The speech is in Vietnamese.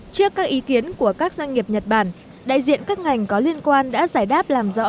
trước các ý kiến của các doanh nghiệp nhật bản đại diện các ngành có liên quan đã giải đáp làm rõ